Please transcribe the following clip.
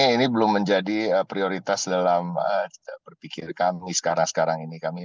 ini belum menjadi prioritas dalam berpikir kami sekarang sekarang ini